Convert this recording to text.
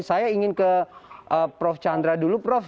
saya ingin ke prof chandra dulu prof